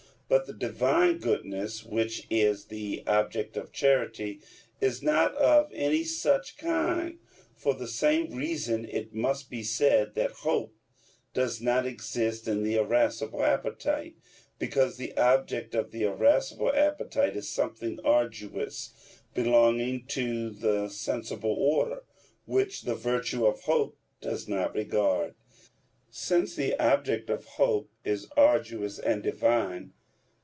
But the Divine goodness, which is the object of charity, is not of any such kind. For the same reason it must be said that hope does not exist in the irascible appetite; because the object of the irascible appetite is something arduous belonging to the sensible order, which the virtue of hope does not regard; since the object of hope is arduous and divine.